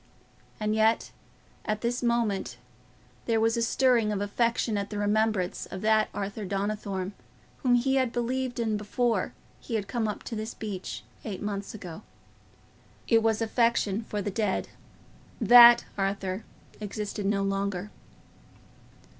And yet, at this moment, there was a stirring of affection at the remembrance of that Arthur Donnithorne whom he had believed in before he had come up to this beech eight months ago. It was affection for the dead: that Arthur existed no longer.